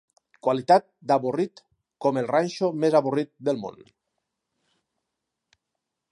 Qualitat d'avorrit com el ranxo més avorrit del món.